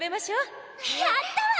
やったわ。